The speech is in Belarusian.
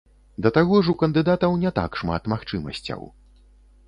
Да таго ж у кандыдатаў не так шмат магчымасцяў.